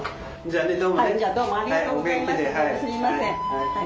すみません。